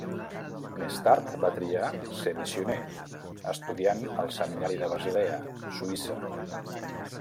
Més tard va triar ser missioner, estudiant al seminari de Basilea, Suïssa.